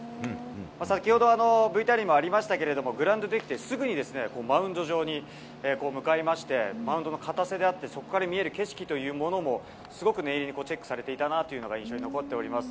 先ほど、ＶＴＲにもありましたけれども、グラウンド出てきて、すぐマウンド上に向かいまして、マウンドの硬さであったり、そこから見える景色というものも、すごく念入りにチェックされていたなというのが印象に残っております。